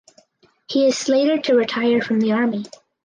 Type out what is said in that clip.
He is slated to retire from the Army.